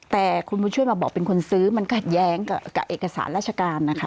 แต่คุณบุญช่วยมาบอกเป็นคนซื้อมันขัดแย้งกับเอกสารราชการนะคะ